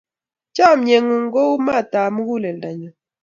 Chamnyengung ko u matap muguleldonyu